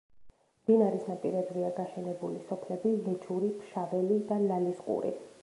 მდინარის ნაპირებზეა გაშენებული სოფლები: ლეჩური, ფშაველი და ლალისყური.